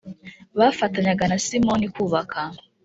bafatanyaga na simoni kubaka